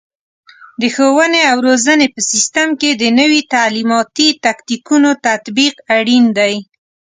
د ښوونې او روزنې په سیستم کې د نوي تعلیماتي تکتیکونو تطبیق اړین دی.